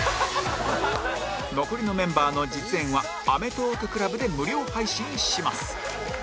残りのメンバーの実演はアメトーーク ＣＬＵＢ で無料配信します